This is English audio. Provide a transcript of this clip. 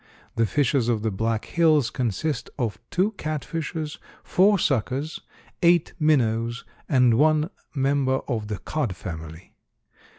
The fishes of the Black Hills consist of two catfishes, four suckers, eight minnows, and one member of the cod family.